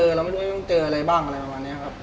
เราไม่รู้ต้องเจออะไรบ้างอะไรประมาณนี้ครับ